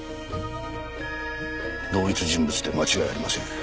同一人物で間違いありません。